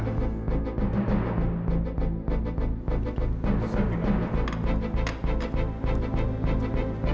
gimana perkembangan juli